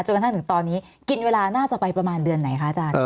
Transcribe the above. กระทั่งถึงตอนนี้กินเวลาน่าจะไปประมาณเดือนไหนคะอาจารย์